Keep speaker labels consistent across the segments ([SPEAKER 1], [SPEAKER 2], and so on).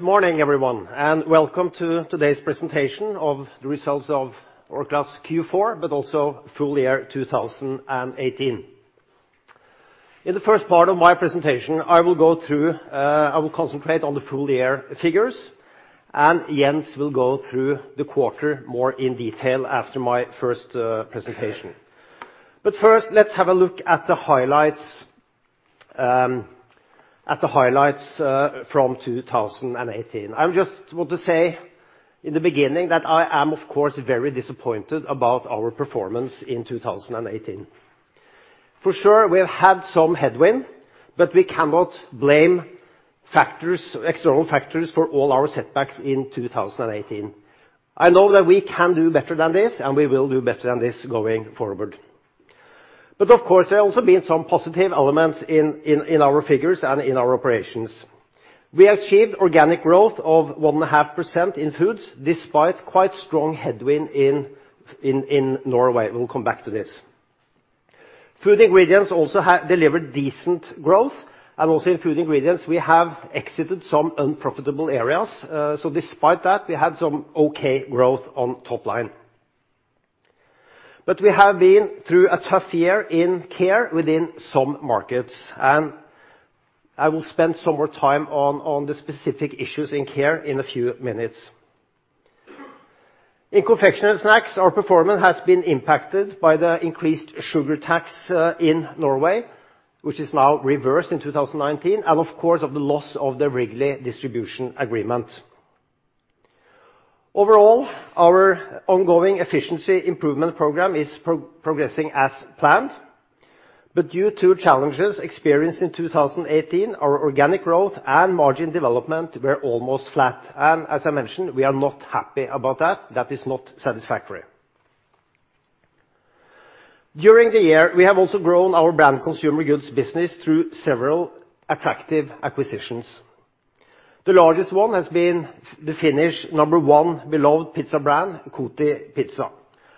[SPEAKER 1] Good morning, everyone, welcome to today's presentation of the results of Orkla's Q4, also full year 2018. In the first part of my presentation, I will concentrate on the full-year figures, Jens will go through the quarter more in detail after my first presentation. First, let's have a look at the highlights from 2018. I just want to say in the beginning that I am, of course, very disappointed about our performance in 2018. For sure, we have had some headwind, we cannot blame external factors for all our setbacks in 2018. I know that we can do better than this, and we will do better than this going forward. Of course, there have also been some positive elements in our figures and in our operations. We achieved organic growth of 1.5% in foods, despite quite strong headwind in Norway. We'll come back to this. Food Ingredients also delivered decent growth, also in Food Ingredients, we have exited some unprofitable areas. Despite that, we had some okay growth on top line. We have been through a tough year in Care within some markets, I will spend some more time on the specific issues in Care in a few minutes. In confectionery snacks, our performance has been impacted by the increased sugar tax in Norway, which is now reversed in 2019, of course, of the loss of the Wrigley distribution agreement. Overall, our ongoing efficiency improvement program is progressing as planned, due to challenges experienced in 2018, our organic growth and margin development were almost flat. As I mentioned, we are not happy about that. That is not satisfactory. During the year, we have also grown our brand consumer goods business through several attractive acquisitions. The largest one has been the Finnish number one beloved pizza brand, Kotipizza.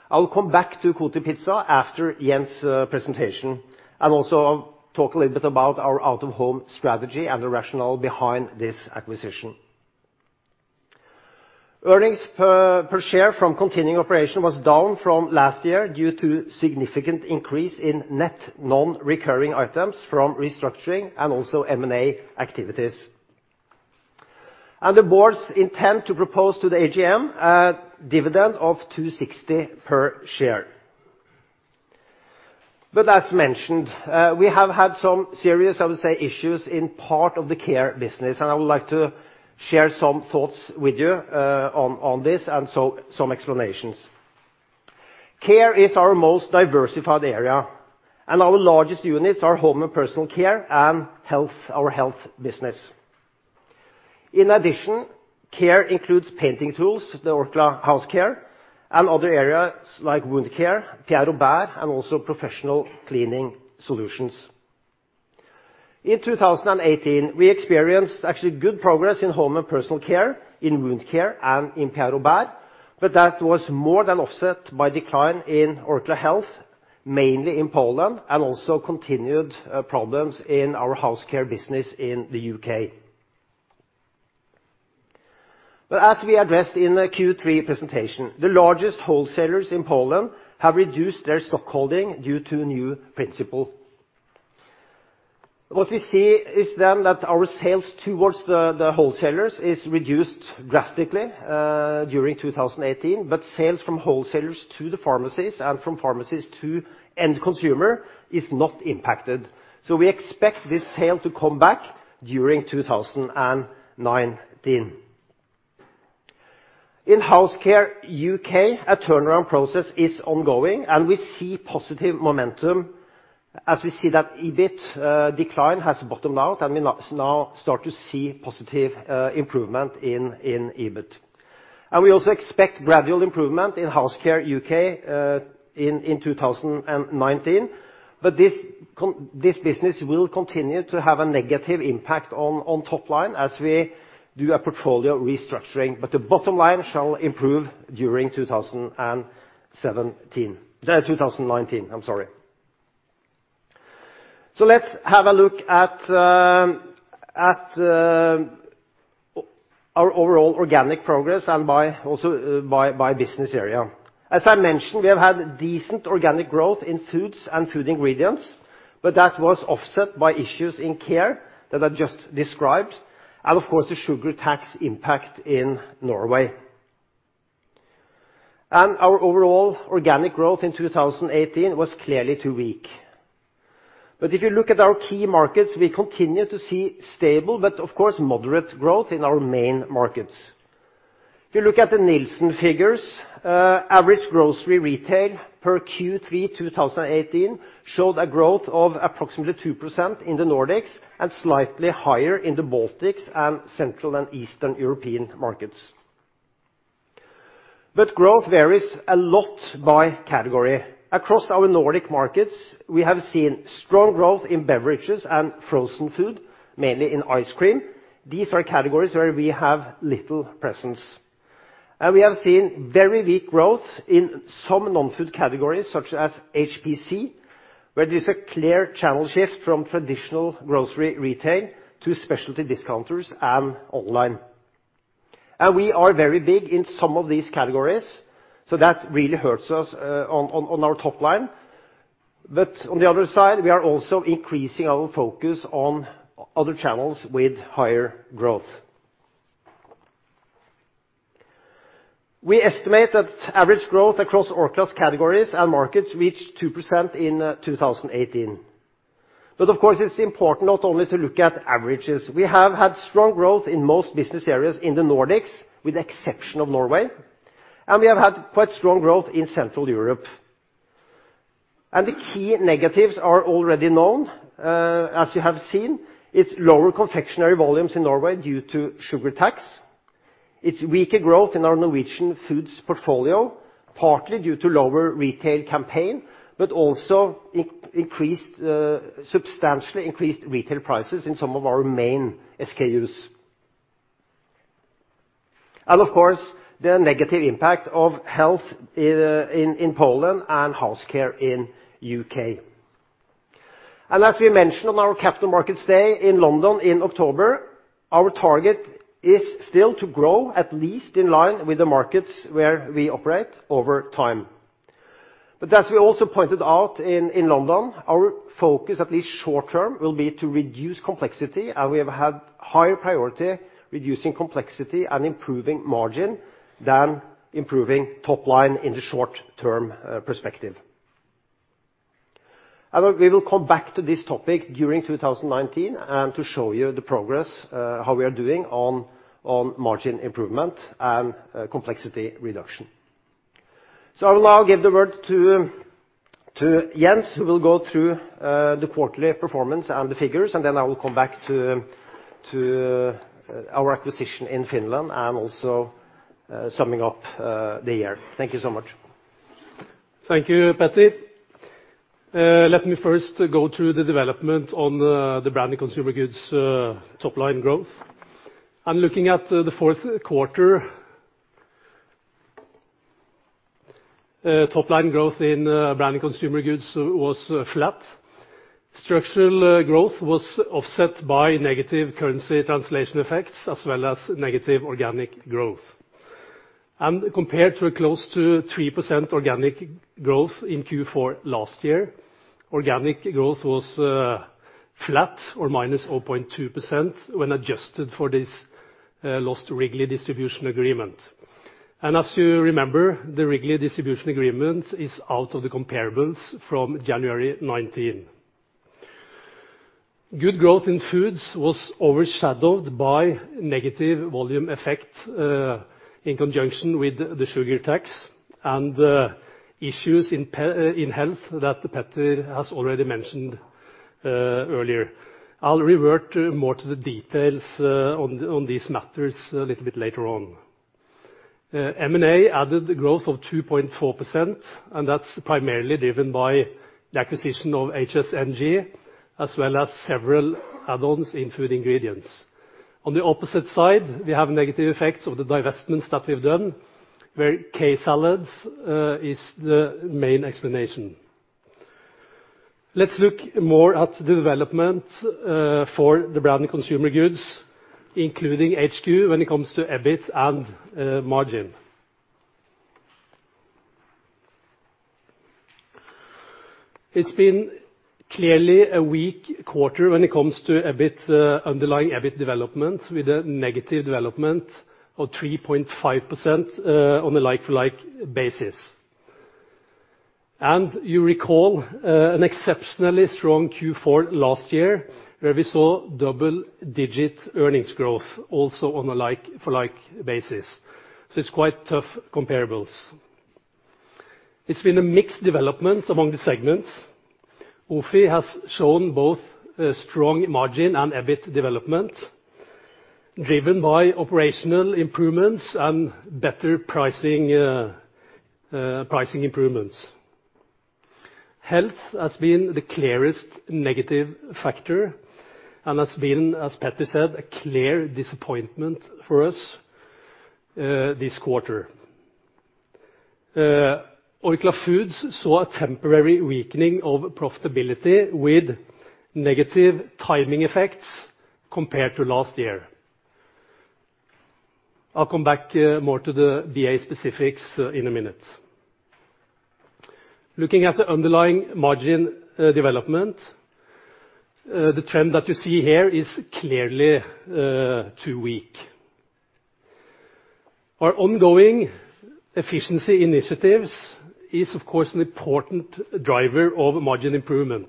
[SPEAKER 1] I'll come back to Kotipizza after Jens' presentation also talk a little bit about our out-of-home strategy and the rationale behind this acquisition. Earnings per share from continuing operation was down from last year due to significant increase in net non-recurring items from restructuring also M&A activities. The boards intend to propose to the AGM a dividend of 260 per share. As mentioned, we have had some serious, I would say, issues in part of the Care business, I would like to share some thoughts with you on this and some explanations. Care is our most diversified area, our largest units are Home & Personal Care and our Health business. In addition, Care includes painting tools, the Orkla House Care, also other areas like Wound Care, Pierre Robert, also professional cleaning solutions. In 2018, we experienced actually good progress in Home & Personal Care, in Wound Care and in Pierre Robert, that was more than offset by decline in Orkla Health, mainly in Poland, also continued problems in our House Care business in the U.K. As we addressed in the Q3 presentation, the largest wholesalers in Poland have reduced their stock holding due to new principle. What we see is then that our sales towards the wholesalers is reduced drastically, during 2018, sales from wholesalers to the pharmacies and from pharmacies to end consumer is not impacted. We expect this sale to come back during 2019. In House Care U.K., a turnaround process is ongoing, and we see positive momentum as we see that EBIT decline has bottomed out, and we now start to see positive improvement in EBIT. We also expect gradual improvement in House Care U.K. in 2019. The business will continue to have a negative impact on top line as we do a portfolio restructuring, but the bottom line shall improve during 2019. Let's have a look at our overall organic progress and also by business area. As I mentioned, we have had decent organic growth in foods and food Ingredients, but that was offset by issues in care that I just described, and of course, the sugar tax impact in Norway. Our overall organic growth in 2018 was clearly too weak. If you look at our key markets, we continue to see stable, but of course, moderate growth in our main markets. If you look at the Nielsen figures, average grocery retail per Q3 2018 showed a growth of approximately 2% in the Nordics and slightly higher in the Baltics and Central and Eastern European markets. Growth varies a lot by category. Across our Nordic markets, we have seen strong growth in beverages and frozen food, mainly in ice cream. These are categories where we have little presence. We have seen very weak growth in some non-food categories, such as HPC, where there's a clear channel shift from traditional grocery retail to specialty discounters and online. We are very big in some of these categories, so that really hurts us on our top line. On the other side, we are also increasing our focus on other channels with higher growth. We estimate that average growth across Orkla's categories and markets reached 2% in 2018. Of course, it's important not only to look at averages. We have had strong growth in most business areas in the Nordics, with the exception of Norway, and we have had quite strong growth in Central Europe. The key negatives are already known. As you have seen, it's lower confectionery volumes in Norway due to sugar tax. It's weaker growth in our Norwegian Orkla Foods portfolio, partly due to lower retail campaign, but also substantially increased retail prices in some of our main SKUs. Of course, the negative impact of Health in Poland and House Care in U.K. As we mentioned on our Capital Markets Day in London in October, our target is still to grow at least in line with the markets where we operate over time. As we also pointed out in London, our focus, at least short-term, will be to reduce complexity and we have had higher priority reducing complexity and improving margin than improving top line in the short-term perspective. We will come back to this topic during 2019 and to show you the progress, how we are doing on margin improvement and complexity reduction. So I will now give the word to Jens, who will go through the quarterly performance and the figures, and then I will come back to our acquisition in Finland and also summing up the year. Thank you so much.
[SPEAKER 2] Thank you, Peter. Let me first go through the development on the Branded Consumer Goods top line growth. I'm looking at the fourth quarter. Top line growth in Branded Consumer Goods was flat. Structural growth was offset by negative currency translation effects as well as negative organic growth. Compared to a close to 3% organic growth in Q4 last year, organic growth was flat or -0.2% when adjusted for this lost Wrigley distribution agreement. As you remember, the Wrigley distribution agreement is out of the comparables from January 2019. Good growth in Foods was overshadowed by negative volume effect, in conjunction with the sugar tax and issues in Health that Peter has already mentioned earlier. I'll revert more to the details on these matters a little bit later on. M&A added growth of 2.4%, and that's primarily driven by the acquisition of HSNG, as well as several add-ons in Food Ingredients. On the opposite side, we have negative effects of the divestments that we've done where K-Salat is the main explanation. Let's look more at the development for the Branded Consumer Goods, including HQ when it comes to EBIT and margin. It's been clearly a weak quarter when it comes to underlying EBIT development, with a negative development of 3.5% on a like-for-like basis. You recall an exceptionally strong Q4 last year where we saw double-digit earnings growth also on a like-for-like basis. It's quite tough comparables. It's been a mixed development among the segments. OFI has shown both a strong margin and EBIT development driven by operational improvements and better pricing improvements. Health has been the clearest negative factor and has been, as Peter said, a clear disappointment for us this quarter. Orkla Foods saw a temporary weakening of profitability with negative timing effects compared to last year. I'll come back more to the BA specifics in a minute. Looking at the underlying margin developmeNt, the trend that you see here is clearly too weak. Our ongoing efficiency initiatives is, of course, an important driver of margin improvement.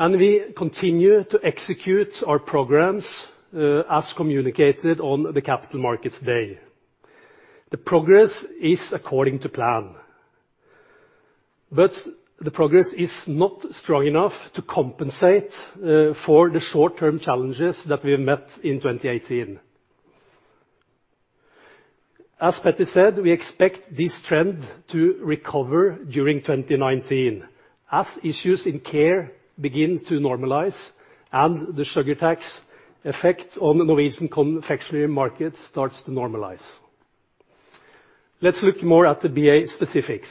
[SPEAKER 2] We continue to execute our programs as communicated on the Capital Markets Day. The progress is according to plan, but the progress is not strong enough to compensate for the short-term challenges that we've met in 2018. As Peter said, we expect this trend to recover during 2019, as issues in Care begin to normalize and the sugar tax effect on the Norwegian confectionery market starts to normalize. Let's look more at the BA specifics.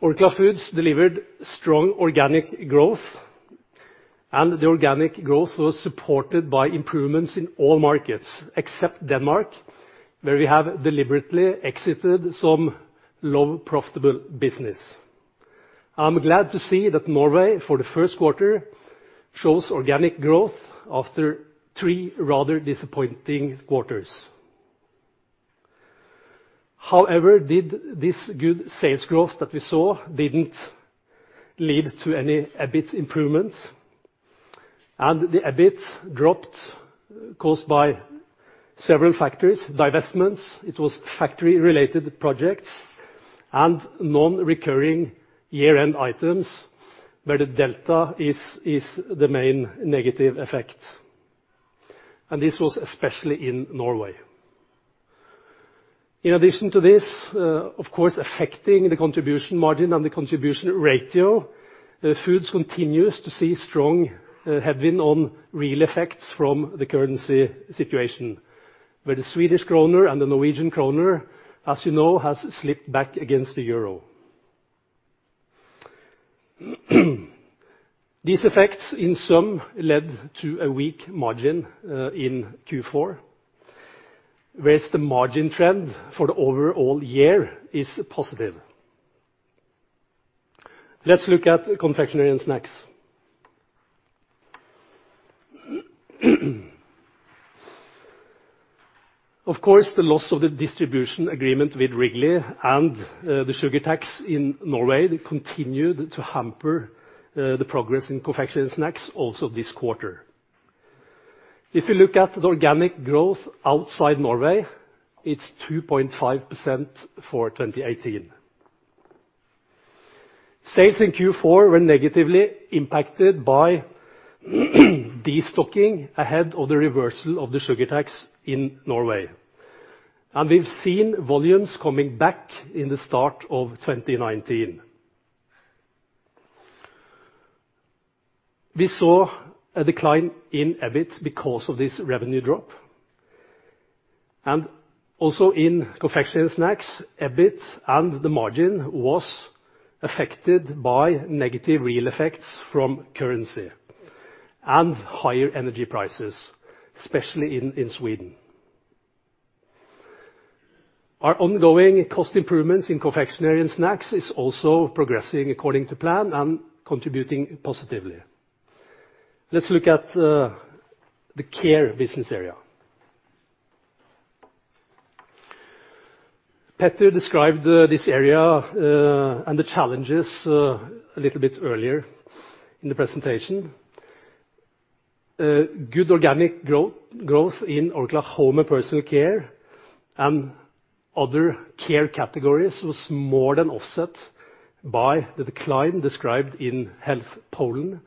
[SPEAKER 2] Orkla Foods delivered strong organic growth. The organic growth was supported by improvements in all markets except Denmark, where we have deliberately exited some low profitable business. I'm glad to see that Norway, for the first quarter, shows organic growth after three rather disappointing quarters. However, this good sales growth that we saw didn't lead to any EBIT improvements. The EBIT dropped caused by several factors, divestments, it was factory-related projects and non-recurring year-end items where the delta is the main negative effect. This was especially in Norway. In addition to this, of course, affecting the contribution margin and the contribution ratio, Foods continues to see strong headwind on real effects from the currency situation where the Swedish krona and the Norwegian krona, as you know, has slipped back against the EUR. These effects in sum led to a weak margin in Q4, whereas the margin trend for the overall year is positive. Let's look at confectionery and snacks. The loss of the distribution agreement with Wrigley and the sugar tax in Norway continued to hamper the progress in confectionery and snacks also this quarter. The organic growth outside Norway, it's 2.5% for 2018. Sales in Q4 were negatively impacted by destocking ahead of the reversal of the sugar tax in Norway, and we've seen volumes coming back in the start of 2019. We saw a decline in EBIT because of this revenue drop, and also in confectionery and snacks, EBIT and the margin was affected by negative real effects from currency and higher energy prices, especially in Sweden. Our ongoing cost improvements in confectionery and snacks is also progressing according to plan and contributing positively. Let's look at the Care business area. Peter described this area and the challenges a little bit earlier in the presentation. Good organic growth in Orkla Home & Personal Care and other Care categories was more than offset by the decline described in Health Poland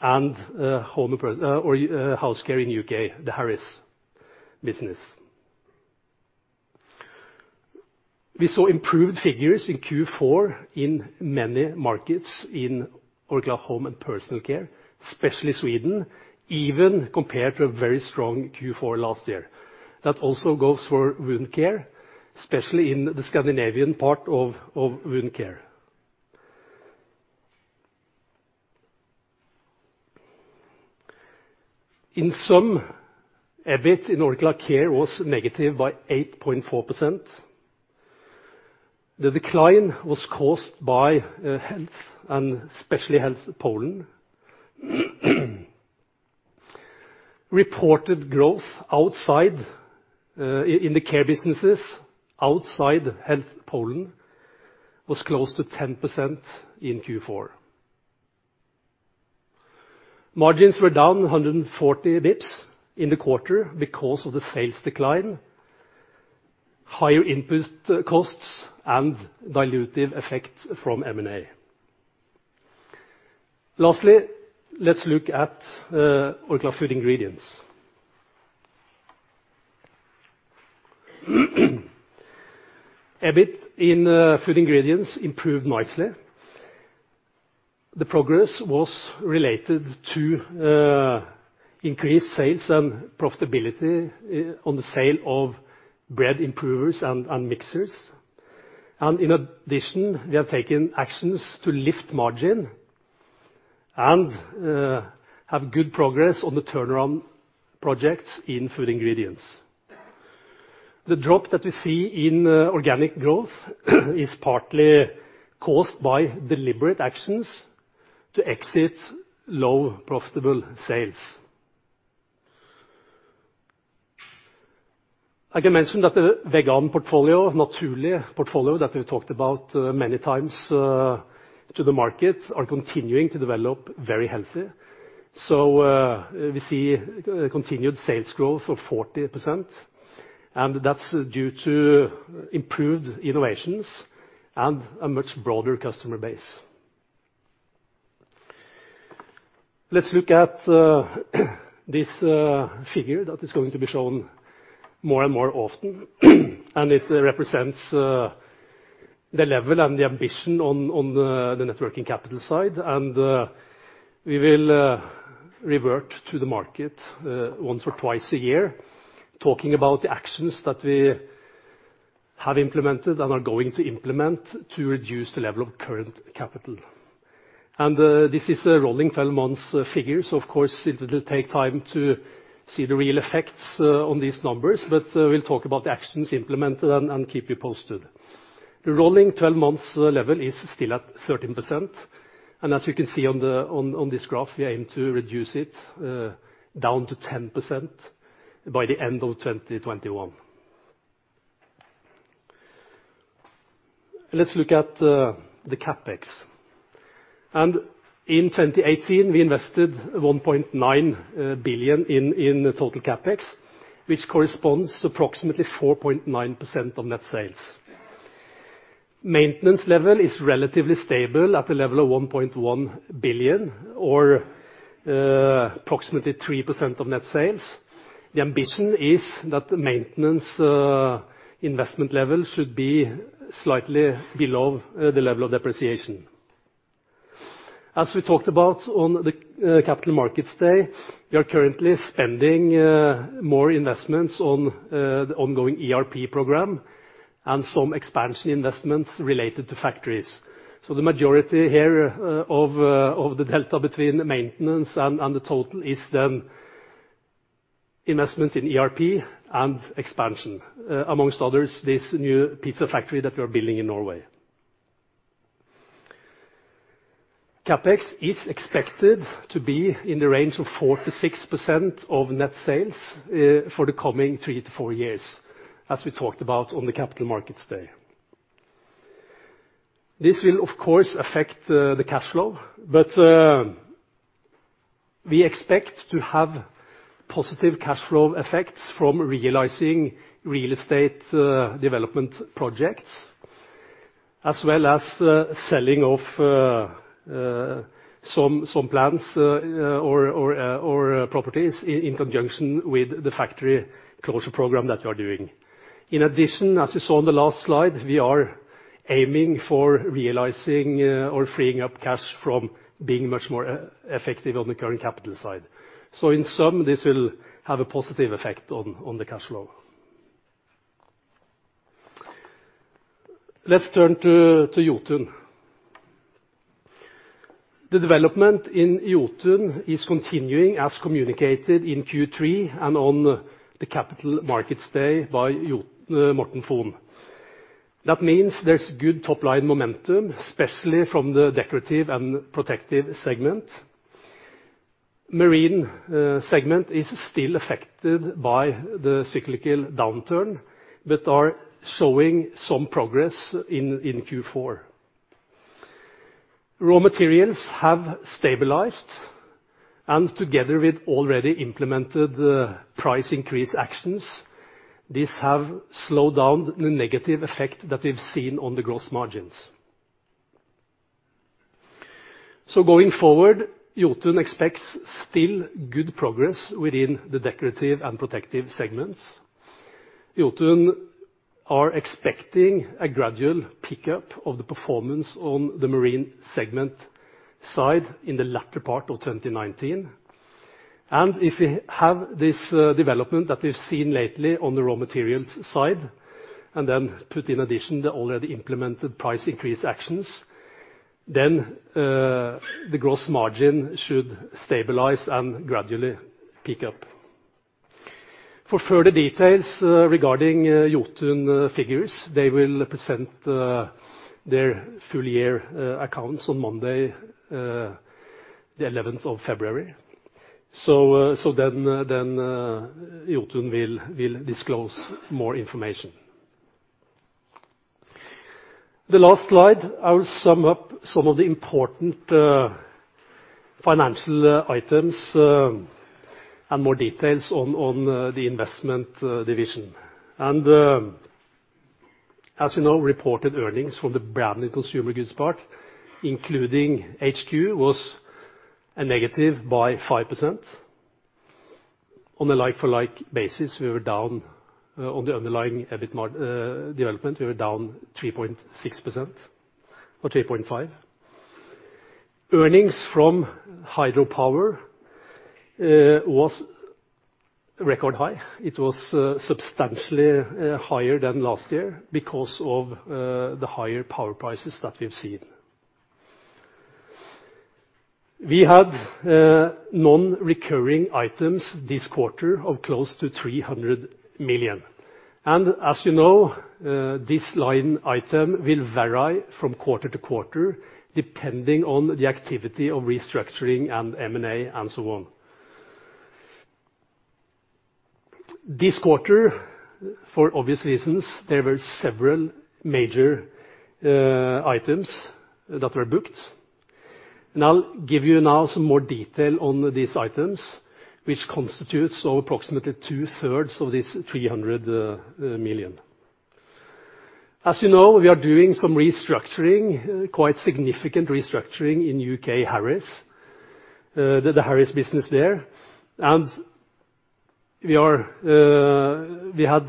[SPEAKER 2] and Orkla House Care in U.K., the Harris business. We saw improved figures in Q4 in many markets in Orkla Home & Personal Care, especially Sweden, even compared to a very strong Q4 last year. That also goes for Wound Care, especially in the Scandinavian part of Wound Care. EBIT in Orkla Care was negative by 8.4%. The decline was caused by Health and especially Health Poland. Reported growth in the Care businesses outside Health Poland was close to 10% in Q4. Margins were down 140 basis points in the quarter because of the sales decline, higher input costs, and dilutive effect from M&A. Let's look at Orkla Food Ingredients. EBIT in Food Ingredients improved nicely. The progress was related to increased sales and profitability on the sale of bread improvers and mixers. In addition, we have taken actions to lift margin and have good progress on the turnaround projects in Food Ingredients. The drop that we see in organic growth is partly caused by deliberate actions to exit low profitable sales. I can mention that the vegan portfolio, Naturli' portfolio that we've talked about many times to the market, are continuing to develop very healthy. We see continued sales growth of 40%, and that's due to improved innovations and a much broader customer base. Let's look at this figure that is going to be shown more and more often. It represents the level and the ambition on the networking capital side. We will revert to the market once or twice a year, talking about the actions that we have implemented and are going to implement to reduce the level of current capital. This is a rolling 12 months figure. Of course, it will take time to see the real effects on these numbers, but we'll talk about the actions implemented and keep you posted. The rolling 12 months level is still at 13%, and as you can see on this graph, we aim to reduce it down to 10% by the end of 2021. Let's look at the CapEx. In 2018, we invested 1.9 billion in the total CapEx, which corresponds to approximately 4.9% of net sales. Maintenance level is relatively stable at a level of 1.1 billion or approximately 3% of net sales. The ambition is that the maintenance investment level should be slightly below the level of depreciation. As we talked about on the Capital Markets Day, we are currently spending more investments on the ongoing ERP program and some expansion investments related to factories. The majority here of the delta between the maintenance and the total is then investments in ERP and expansion. Amongst others, this new pizza factory that we're building in Norway. CapEx is expected to be in the range of 4%-6% of net sales for the coming three to four years, as we talked about on the Capital Markets Day. This will, of course, affect the cash flow. But we expect to have positive cash flow effects from realizing real estate development projects as well as selling off some plants or properties in conjunction with the factory closure program that we are doing. In addition, as you saw on the last slide, we are aiming for realizing or freeing up cash from being much more effective on the current capital side. In sum, this will have a positive effect on the cash flow. Let's turn to Jotun. The development in Jotun is continuing as communicated in Q3 and on the Capital Markets Day by Morten Fon. That means there's good top-line momentum, especially from the decorative and protective segment. Marine segment is still affected by the cyclical downturn, but are showing some progress in Q4. Raw materials have stabilized and together with already implemented price increase actions, these have slowed down the negative effect that we've seen on the gross margins. Going forward, Jotun expects still good progress within the decorative and protective segments. Jotun are expecting a gradual pickup of the performance on the Marine segment side in the latter part of 2019. If we have this development that we've seen lately on the raw materials side, and then put in addition the already implemented price increase actions, then the gross margin should stabilize and gradually pick up. For further details regarding Jotun figures, they will present their full year accounts on Monday, the February 11th. Then Jotun will disclose more information. The last slide, I will sum up some of the important financial items and more details on the investment division. As you know, reported earnings from the Branded Consumer Goods part, including HQ, was a negative by 5%. On the like-for-like basis, we were down on the underlying EBIT development. We were down 3.6% or 3.5%. Earnings from hydropower was record high. It was substantially higher than last year because of the higher power prices that we've seen. We had non-recurring items this quarter of close to 300 million. As you know, this line item will vary from quarter to quarter, depending on the activity of restructuring and M&A and so on. This quarter, for obvious reasons, there were several major items that were booked. I'll give you now some more detail on these items, which constitutes approximately two-thirds of this 300 million. We are doing some restructuring, quite significant restructuring in U.K. Harris, the Harris business there. We had,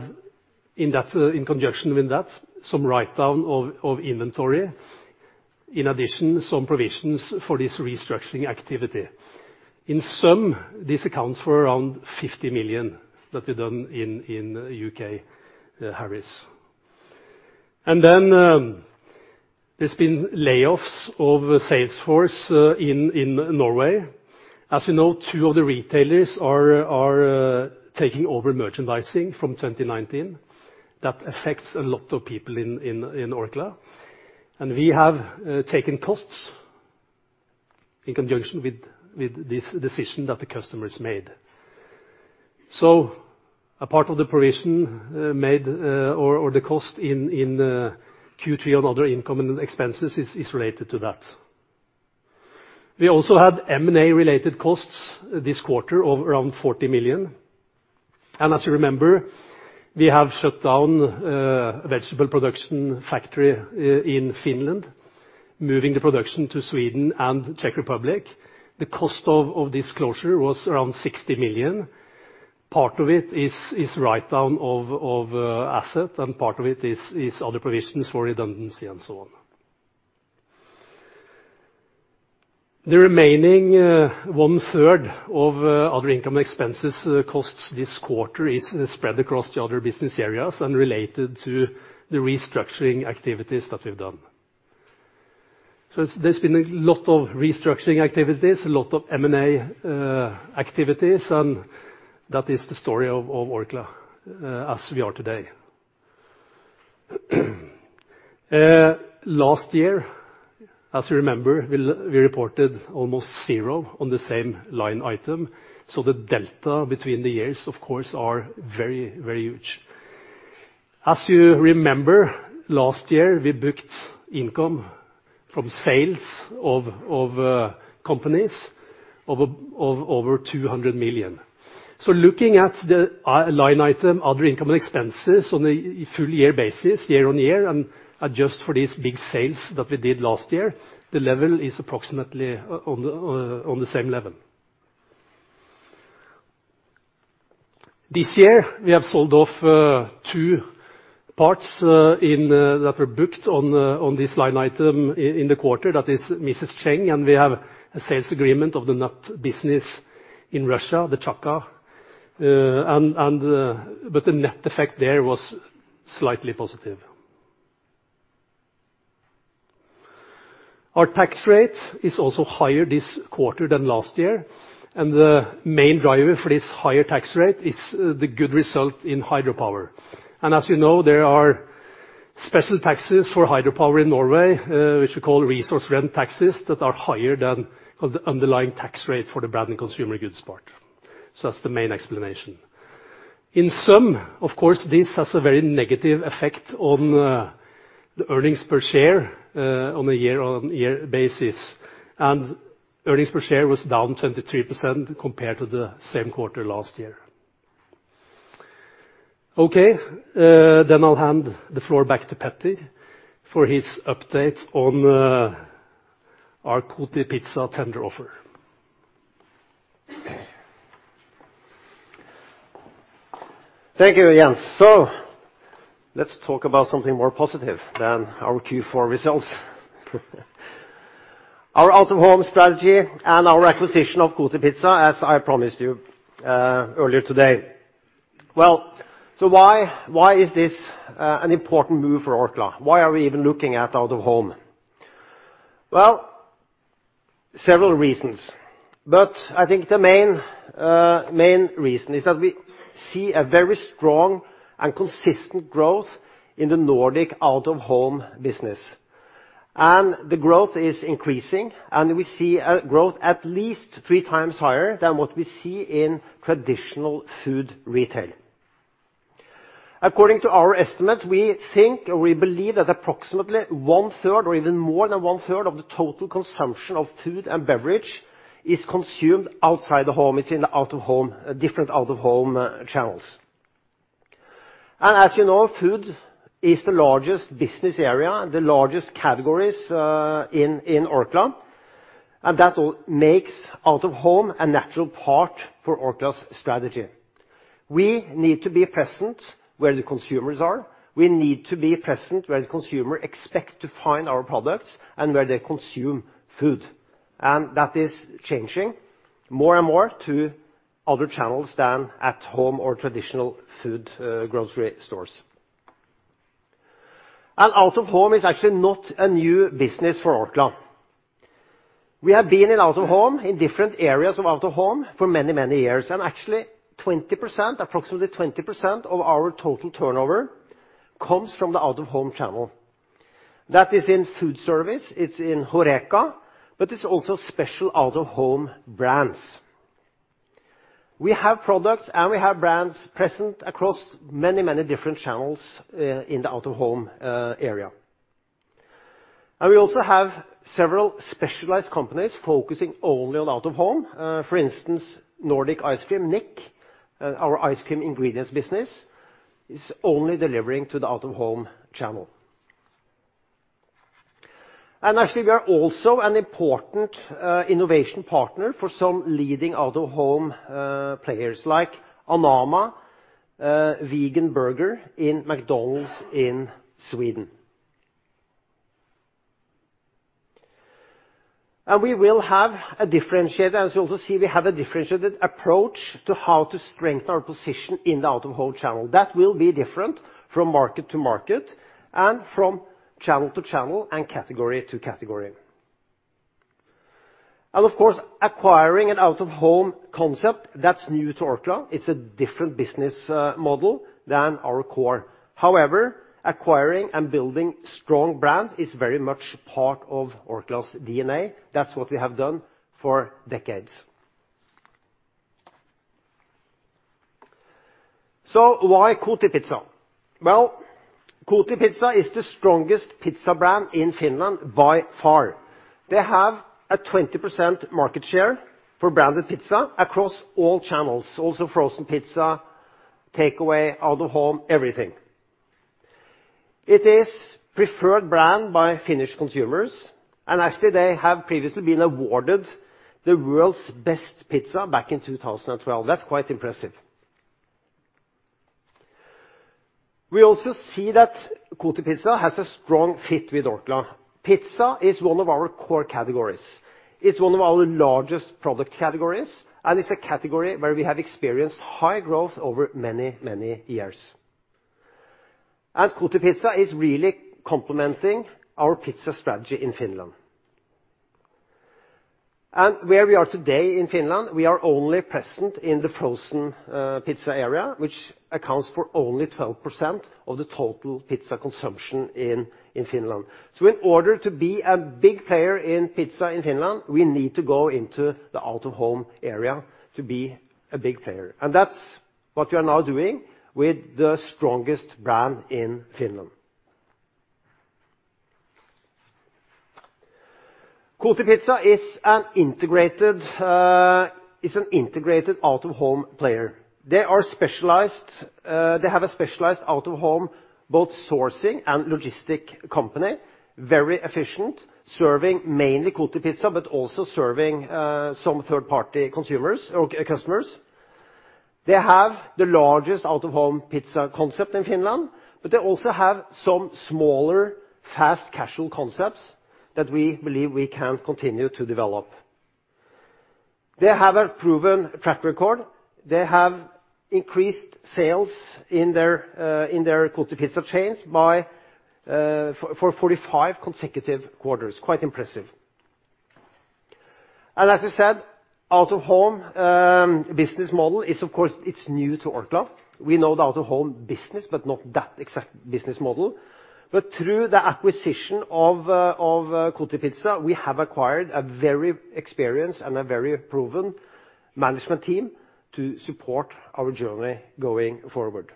[SPEAKER 2] in conjunction with that, some write-down of inventory. In addition, some provisions for this restructuring activity. In sum, this accounts for around 50 million that we've done in U.K. Harris. Then, there's been layoffs of sales force in Norway. As you know, two of the retailers are taking over merchandising from 2019. That affects a lot of people in Orkla. We have taken costs in conjunction with this decision that the customers made. A part of the provision made or the cost in Q3 on other income and expenses is related to that. We also had M&A-related costs this quarter of around 40 million. As you remember, we have shut down a vegetable production factory in Finland, moving the production to Sweden and Czech Republic. The cost of this closure was around 60 million. Part of it is write-down of asset, and part of it is other provisions for redundancy and so on. The remaining one-third of other income expenses costs this quarter is spread across the other business areas and related to the restructuring activities that we've done. There's been a lot of restructuring activities, a lot of M&A activities, and that is the story of Orkla as we are today. Last year, as you remember, we reported almost zero on the same line item. The delta between the years, of course, are very huge. As you remember, last year we booked income from sales of companies of over 200 million. Looking at the line item, other income expenses on a full year basis, year-on-year and adjust for these big sales that we did last year, the level is approximately on the same level. This year, we have sold off two parts in-- that were booked on this line item in the quarter. That is Mrs. Cheng's, and we have a sales agreement of the nut business in Russia, the Chaka. The net effect there was slightly positive. Our tax rate is also higher this quarter than last year, and the main driver for this higher tax rate is the good result in hydropower. As you know, there are special taxes for hydropower in Norway, which we call resource rent taxes, that are higher than underlying tax rate for the Branded Consumer Goods part. That's the main explanation. In sum, of course, this has a very negative effect on the earnings per share on a year-on-year basis, and earnings per share was down 23% compared to the same quarter last year. I'll hand the floor back to Peter for his update on our Kotipizza tender offer.
[SPEAKER 1] Thank you, Jens. Let's talk about something more positive than our Q4 results. Our out-of-home strategy and our acquisition of Kotipizza, as I promised you earlier today. Why is this an important move for Orkla? Why are we even looking at out-of-home? Several reasons. I think the main reason is that we see a very strong and consistent growth in the Nordic out-of-home business. The growth is increasing, and we see a growth at least three times higher than what we see in traditional food retail. According to our estimates, we think or we believe that approximately one-third or even more than one-third of the total consumption of food and beverage is consumed outside the home. It's in the out-of-home, different out-of-home channels. As you know, food is the largest business area, the largest categories in Orkla, That makes out-of-home a natural part for Orkla's strategy. We need to be present where the consumers are. We need to be present where the consumer expect to find our products and where they consume food. That is changing more and more to other channels than at home or traditional food grocery stores. Out-of-home is actually not a new business for Orkla. We have been in out-of-home, in different areas of out-of-home for many, many years. Actually, 20%, approximately 20% of our total turnover comes from the out-of-home channel. That is in food service, it's in HORECA, but it's also special out-of-home brands. We have products and we have brands present across many different channels in the out-of-home area. We also have several specialized companies focusing only on out-of-home. For instance, Nordic Ice Cream, NIC, our ice cream ingredients business, is only delivering to the out-of-home channel. Actually, we are also an important innovation partner for some leading out-of-home players, like Anamma Vegan Burger in McDonald's in Sweden. We have a differentiated approach to how to strengthen our position in the out-of-home channel. That will be different from market to market and from channel to channel and category to category. Of course, acquiring an out-of-home concept that's new to Orkla, it's a different business model than our core. However, acquiring and building strong brands is very much part of Orkla's DNA. That's what we have done for decades. Why Kotipizza? Well, Kotipizza is the strongest pizza brand in Finland by far. They have a 20% market share for branded pizza across all channels, also frozen pizza, takeaway, out-of-home, everything. It is preferred brand by Finnish consumers, Actually, they have previously been awarded the world's best pizza back in 2012. That's quite impressive. We also see that Kotipizza has a strong fit with Orkla. Pizza is one of our core categories. It's one of our largest product categories, it's a category where we have experienced high growth over many, many years. Kotipizza is really complementing our pizza strategy in Finland. Where we are today in Finland, we are only present in the frozen pizza area, which accounts for only 12% of the total pizza consumption in Finland. In order to be a big player in pizza in Finland, we need to go into the out-of-home area to be a big player. That's what we are now doing with the strongest brand in Finland. Kotipizza is an integrated out-of-home player. They have a specialized out-of-home, both sourcing and logistic company, very efficient, serving mainly Kotipizza, also serving some third-party customers. They have the largest out-of-home pizza concept in Finland, They also have some smaller fast casual concepts that we believe we can continue to develop. They have a proven track record. They have increased sales in their Kotipizza chains for 45 consecutive quarters. Quite impressive. As I said, out-of-home business model is, of course, new to Orkla. We know the out-of-home business, but not that exact business model. Through the acquisition of Kotipizza, we have acquired a very experienced and a very proven management team to support our journey going forward.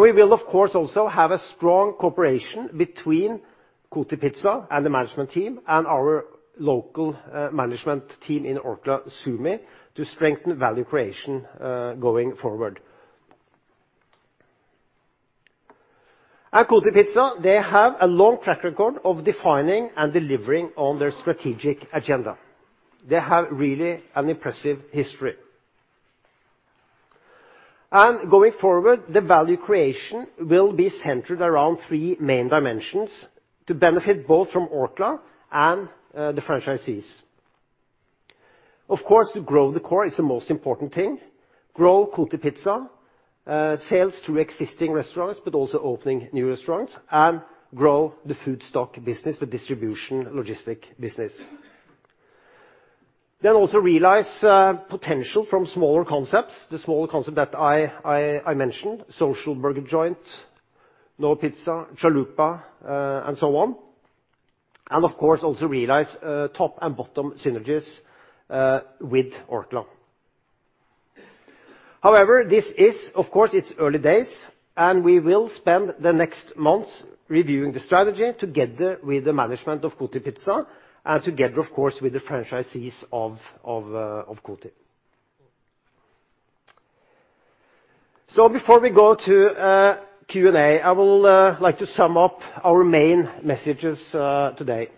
[SPEAKER 1] We will, of course, also have a strong cooperation between Kotipizza and the management team and our local management team in Orkla Suomi to strengthen value creation going forward. Kotipizza, they have a long track record of defining and delivering on their strategic agenda. They have really an impressive history. Going forward, the value creation will be centered around three main dimensions to benefit both from Orkla and the franchisees. Of course, to grow the core is the most important thing. Grow Kotipizza sales through existing restaurants, but also opening new restaurants and grow the food stock business, the distribution logistic business. Realize potential from smaller concepts, the smaller concept that I mentioned, Social Burgerjoint, No Pizza, Chalupa, and so on. Of course, also realize top and bottom synergies with Orkla. However, this is, of course, it is early days, and we will spend the next months reviewing the strategy together with the management of Kotipizza and together, of course, with the franchisees of Kotipizza. Before we go to Q&A, I will like to sum up our main messages today.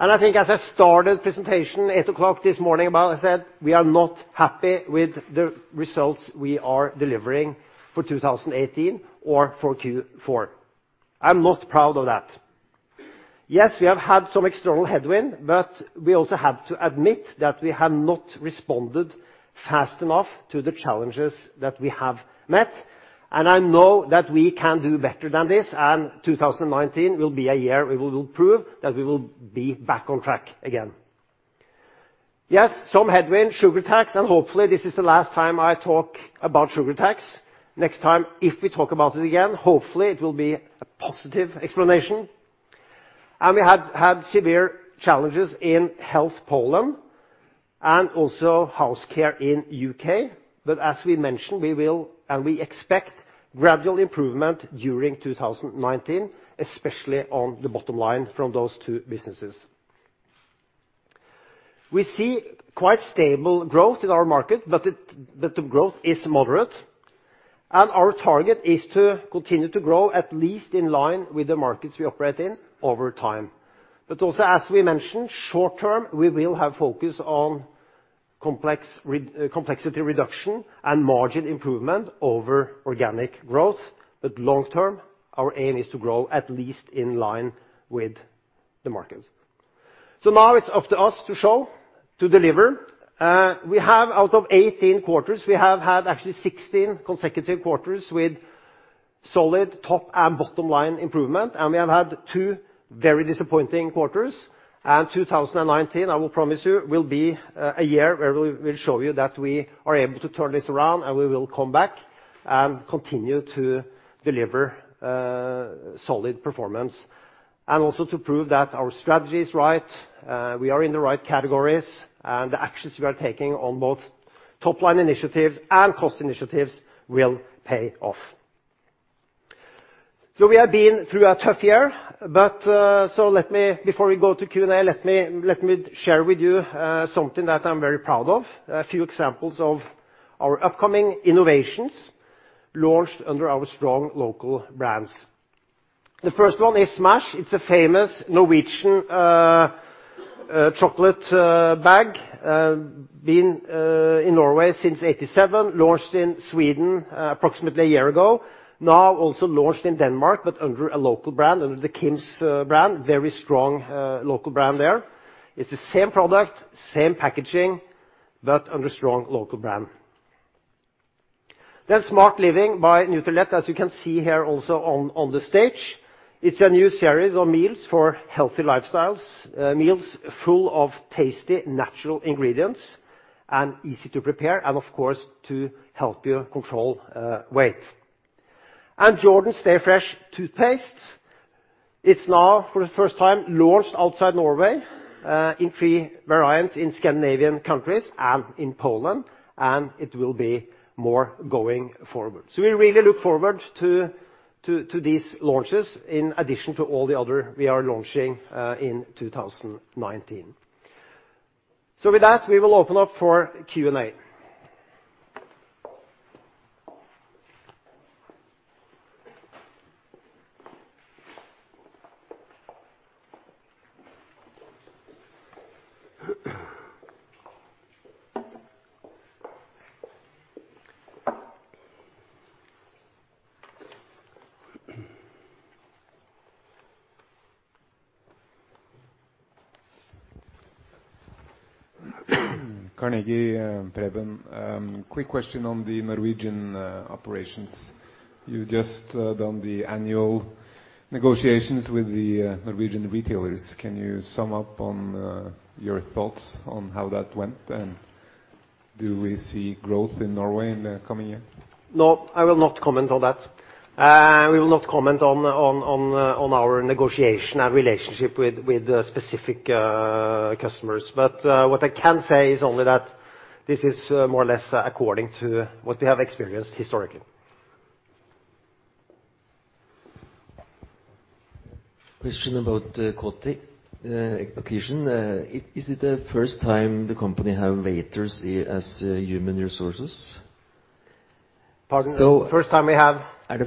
[SPEAKER 1] I think as I started presentation 8:00 A.M. this morning, I said, we are not happy with the results we are delivering for 2018 or for Q4. I am not proud of that. Yes, we have had some external headwind, but we also have to admit that we have not responded fast enough to the challenges that we have met. I know that we can do better than this, and 2019 will be a year we will prove that we will be back on track again. Yes, some headwind, sugar tax, and hopefully this is the last time I talk about sugar tax. Next time, if we talk about it again, hopefully it will be a positive explanation. We have had severe challenges in health Poland. Also Orkla House Care in U.K. As we mentioned, we will and we expect gradual improvement during 2019, especially on the bottom line from those two businesses. We see quite stable growth in our market, but the growth is moderate. Our target is to continue to grow, at least in line with the markets we operate in over time. Also, as we mentioned, short term, we will have focus on complexity reduction and margin improvement over organic growth, but long term, our aim is to grow at least in line with the market. Now it is up to us to show, to deliver. Out of 18 quarters, we have had actually 16 consecutive quarters with solid top and bottom line improvement, and we have had two very disappointing quarters. 2019, I will promise you, will be a year where we will show you that we are able to turn this around, and we will come back and continue to deliver solid performance. Also to prove that our strategy is right, we are in the right categories, and the actions we are taking on both top-line initiatives and cost initiatives will pay off. We have been through a tough year, so let me, before we go to Q&A, let me share with you something that I am very proud of. A few examples of our upcoming innovations launched under our strong local brands. The first one is Smash! It is a famous Norwegian chocolate bag. Been in Norway since 1987, launched in Sweden approximately a year ago. Now also launched in Denmark, but under a local brand, under the KiMs brand. Very strong local brand there. It's the same product, same packaging, but under strong local brand. Smart Living by Nutrilett, as you can see here also on the stage. It's a new series of meals for healthy lifestyles. Meals full of tasty, natural ingredients and easy to prepare and, of course, to help you control weight. Jordan Stay Fresh toothpastes. It's now, for the first time, launched outside Norway, in three variants in Scandinavian countries and in Poland, and it will be more going forward. We really look forward to these launches in addition to all the other we are launching in 2019. With that, we will open up for Q&A. Carnegie, Preben. Quick question on the Norwegian operations. You've just done the annual negotiations with the Norwegian retailers. Can you sum up on your thoughts on how that went? Do we see growth in Norway in the coming year? No, I will not comment on that. We will not comment on our negotiation and relationship with specific customers. What I can say is only that this is more or less according to what we have experienced historically. Question about Kotipizza acquisition. Is it the first time the company have waiters as human resources? Pardon me? First time we have? The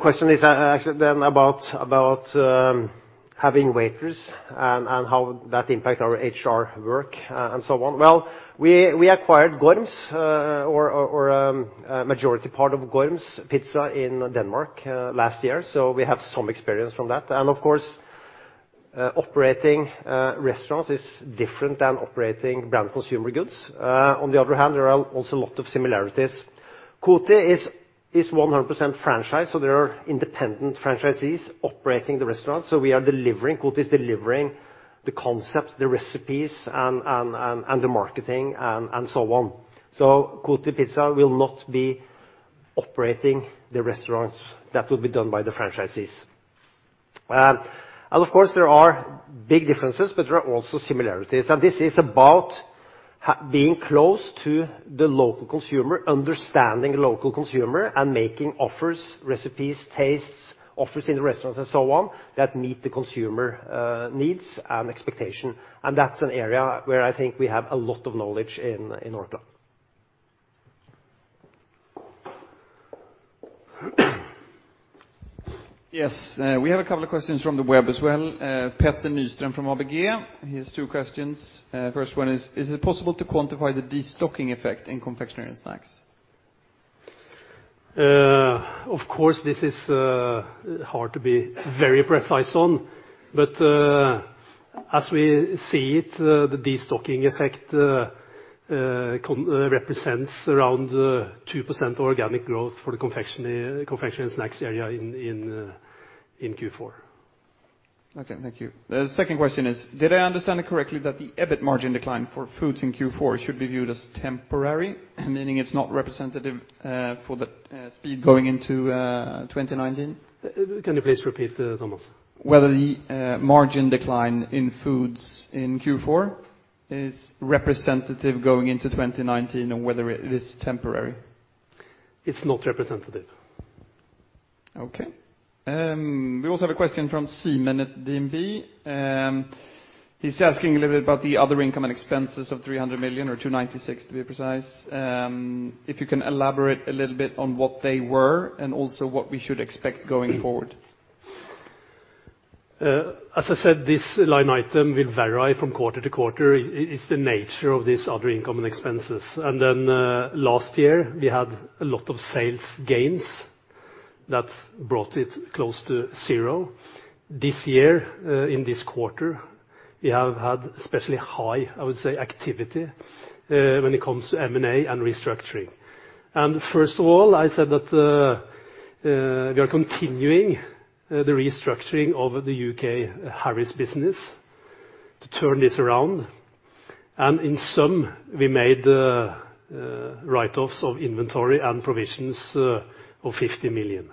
[SPEAKER 1] question is actually about having waiters and how that impact our HR work and so on. Well, we acquired Gorm's, or a majority part of Gorm's Pizza in Denmark last year, we have some experience from that. Of course, operating restaurants is different than operating brand consumer goods. On the other hand, there are also a lot of similarities. Kotipizza is 100% franchise, there are independent franchisees operating the restaurant, Kotipizza is delivering the concepts, the recipes, and the marketing, and so on. Kotipizza will not be operating the restaurants. That will be done by the franchisees. Of course, there are big differences, there are also similarities. This is about being close to the local consumer, understanding the local consumer, and making offers, recipes, tastes, offers in the restaurants, and so on, that meet the consumer needs and expectation. That's an area where I think we have a lot of knowledge in Orkla.
[SPEAKER 3] Yes, we have a couple of questions from the web as well. Petter Nystrøm from ABG. He has two questions. First one is it possible to quantify the destocking effect in confectionery and snacks?
[SPEAKER 1] Of course, this is hard to be very precise on. As we see it, the destocking effect represents around 2% organic growth for the confectionery and snacks area in Q4.
[SPEAKER 3] Okay, thank you. The second question is, did I understand it correctly that the EBIT margin decline for foods in Q4 should be viewed as temporary, meaning it's not representative for the speed going into 2019?
[SPEAKER 2] Can you please repeat, Thomas?
[SPEAKER 3] Whether the margin decline in foods in Q4 is representative going into 2019, and whether it is temporary.
[SPEAKER 2] It's not representative.
[SPEAKER 3] Okay. We also have a question from Simon at DNB. He's asking a little bit about the other income and expenses of 300 million or 296, to be precise. If you can elaborate a little bit on what they were and also what we should expect going forward.
[SPEAKER 2] As I said, this line item will vary from quarter to quarter. It's the nature of this other income and expenses. Last year, we had a lot of sales gains that brought it close to zero. This year, in this quarter, we have had especially high, I would say, activity when it comes to M&A and restructuring. First of all, I said that we are continuing the restructuring of the U.K. Harris business to turn this around, and in sum, we made write-offs of inventory and provisions of 50 million.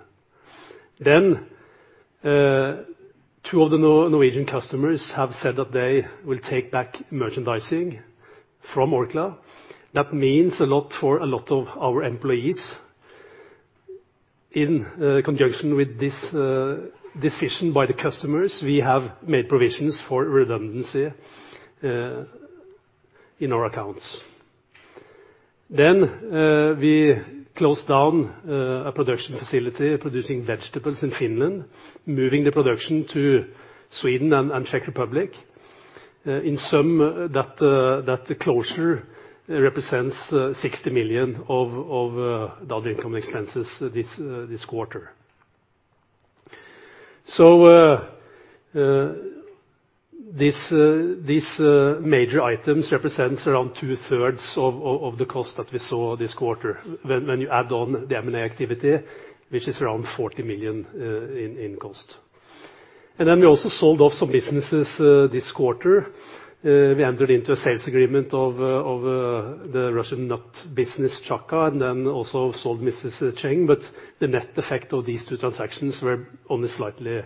[SPEAKER 2] Two of the Norwegian customers have said that they will take back merchandising from Orkla. That means a lot for a lot of our employees. In conjunction with this decision by the customers, we have made provisions for redundancy in our accounts. We closed down a production facility producing vegetables in Finland, moving the production to Sweden and Czech Republic. In sum, that closure represents 60 million of the other income expenses this quarter. These major items represents around two-thirds of the cost that we saw this quarter. When you add on the M&A activity, which is around 40 million in cost. We also sold off some businesses this quarter. We entered into a sales agreement of the Russian nut business, Chaka, and also sold Mrs. Cheng's, but the net effect of these two transactions were only slightly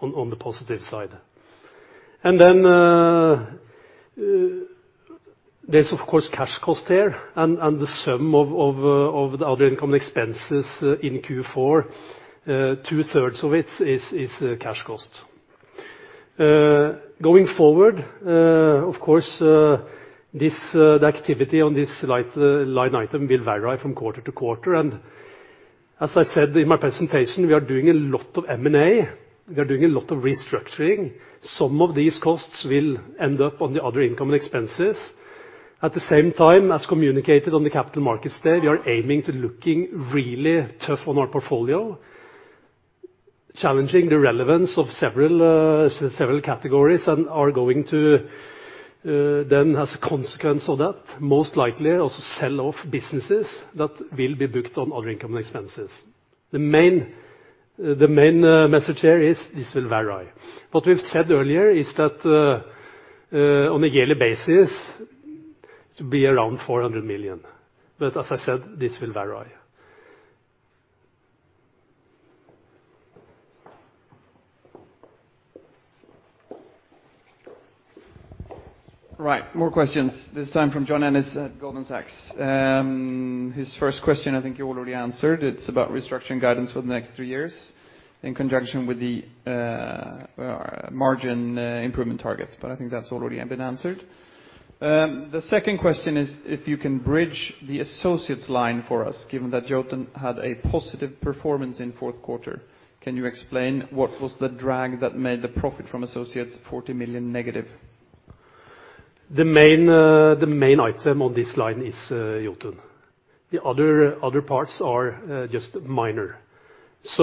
[SPEAKER 2] on the positive side. There's, of course, cash cost there, and the sum of the other income expenses in Q4, two-thirds of it is cash cost. Going forward, of course, the activity on this line item will vary from quarter to quarter. As I said in my presentation, we are doing a lot of M&A. We are doing a lot of restructuring. Some of these costs will end up on the other income expenses. At the same time, as communicated on the capital markets there, we are aiming to looking really tough on our portfolio, challenging the relevance of several categories. As a consequence of that, most likely also sell off businesses that will be booked on other income expenses. The main message here is this will vary. What we've said earlier is that, on a yearly basis, to be around 400 million. As I said, this will vary.
[SPEAKER 3] Right. More questions, this time from John Ennis at Goldman Sachs. His first question, I think you already answered. It's about restructuring guidance for the next three years in conjunction with the margin improvement targets. I think that's already been answered. The second question is, if you can bridge the associates line for us, given that Jotun had a positive performance in fourth quarter. Can you explain what was the drag that made the profit from associates 40 million negative?
[SPEAKER 2] The main item on this line is Jotun. The other parts are just minor. As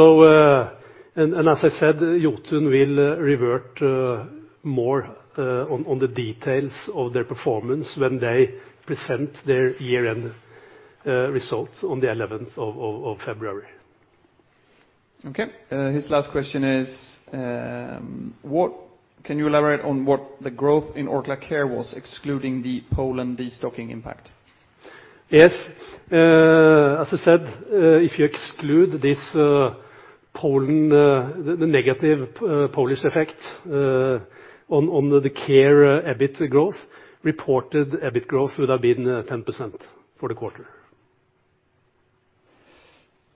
[SPEAKER 2] I said, Jotun will revert more on the details of their performance when they present their year-end results on the 11th of February.
[SPEAKER 3] Okay. His last question is, can you elaborate on what the growth in Orkla Care was, excluding the Poland destocking impact?
[SPEAKER 2] Yes. As I said, if you exclude the negative Polish effect on the Care EBIT growth, reported EBIT growth would have been 10% for the quarter.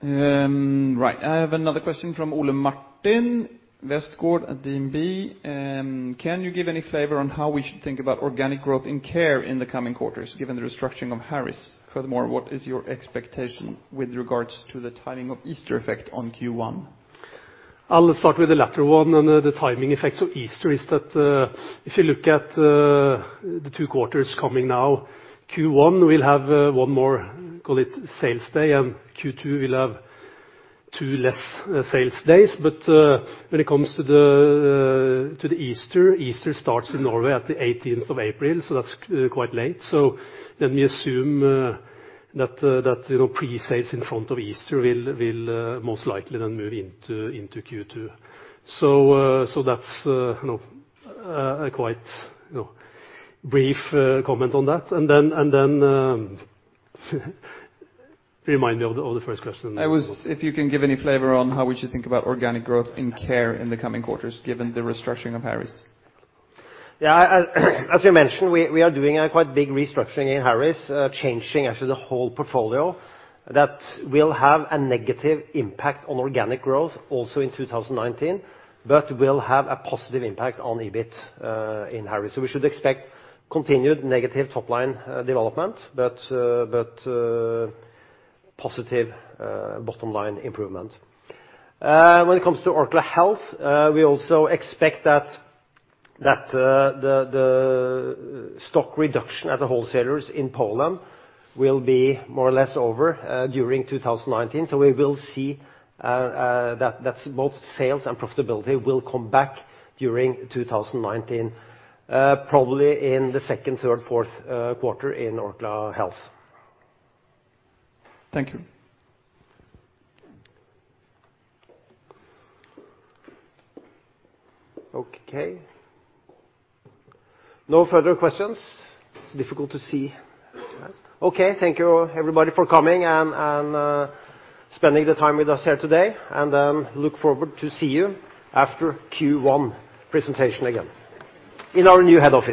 [SPEAKER 3] Right. I have another question from Ole Martin Westgaard at DNB. Can you give any flavor on how we should think about organic growth in Care in the coming quarters, given the restructuring of Harris'? Furthermore, what is your expectation with regards to the timing of Easter effect on Q1?
[SPEAKER 2] I'll start with the latter one. The timing effects of Easter is that if you look at the two quarters coming now, Q1 will have one more, call it, sales day, and Q2 will have two less sales days. When it comes to the Easter starts in Norway at the 18th of April, that's quite late. We assume that pre-sales in front of Easter will most likely then move into Q2. That's a quite brief comment on that. Remind me of the first question.
[SPEAKER 3] It was if you can give any flavor on how we should think about organic growth in Care in the coming quarters, given the restructuring of Harris'.
[SPEAKER 1] Yeah. As you mentioned, we are doing a quite big restructuring in Harris, changing actually the whole portfolio. That will have a negative impact on organic growth also in 2019, but will have a positive impact on EBIT in Harris. We should expect continued negative top-line development, but positive bottom-line improvement. When it comes to Orkla Health, we also expect that the stock reduction at the wholesalers in Poland will be more or less over during 2019. We will see that both sales and profitability will come back during 2019, probably in the second, third, fourth quarter in Orkla Health.
[SPEAKER 3] Thank you.
[SPEAKER 1] Okay. No further questions? It is difficult to see. Okay. Thank you, everybody, for coming and spending the time with us here today, and look forward to see you after Q1 presentation again in our new head office.